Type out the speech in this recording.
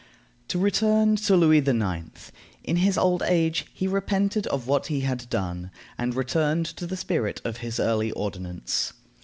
To return to Louis IX. In his old age he repented of what he had done, and returned to the spirit of his early ordinance.